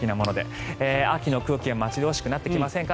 秋の空気が待ち遠しくなってきませんか？